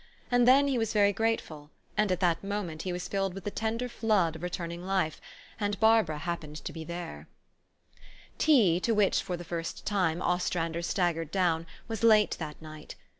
And then he was very grateful, and at that moment he was filled with the tender flood of returning life and Barbara happened to be there. THE STORY OF AVIS. 171 % Tea, to which, for the first time, Ostrander stag gered down, was late that night.